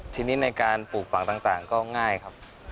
ทีนี้ในการปลูกฝังต่างก็ง่ายครับ